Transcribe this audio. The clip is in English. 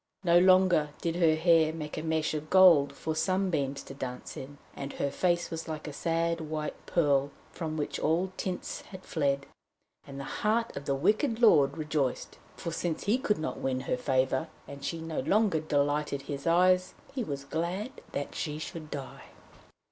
No longer did her hair make a mesh of gold for sunbeams to dance in, and her face was like a sad white pearl from which all tints had fled. And the heart of the wicked lord rejoiced, for since he could not win her favour, and she no longer delighted his eyes, he was glad that she should die.